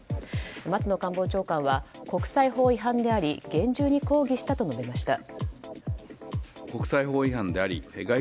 松野官房長官は国際法違反であり厳重に抗議したと述べました。